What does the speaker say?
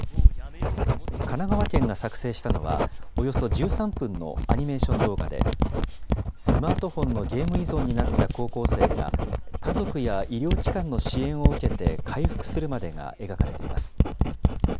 神奈川県が作成したのは、およそ１３分のアニメーション動画で、スマートフォンのゲーム依存になった高校生が、家族や医療機関の支援を受けて、回復するまでが描かれています。